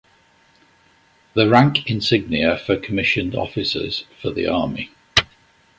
The rank insignia for commissioned officers for the army.